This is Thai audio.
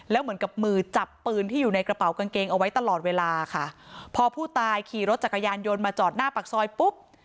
แล้วเหมือนกับมือจับปืนที่อยู่ในกระเป๋ากางเกงเอาไว้ตลอดเวลาค่ะพอผู้ตายขี่รถจักรยานยนต์มาจอดหน้าปากซอยปุ๊บ